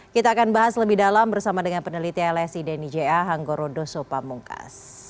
kita akan bahas lebih dalam bersama dengan peneliti lsi denny j a hanggorodo sopamungkas